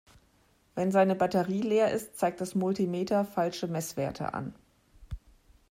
Wenn seine Batterie leer ist, zeigt das Multimeter falsche Messwerte an.